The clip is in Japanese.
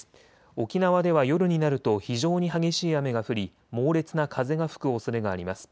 沖縄では夜になると非常に激しい雨が降り、猛烈な風が吹くおそれがあります。